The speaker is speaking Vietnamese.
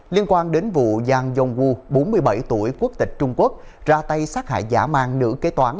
liên quan đến vụ giang yong wu bốn mươi bảy tuổi quốc tịch trung quốc ra tay sát hại giả mang nữ kế toán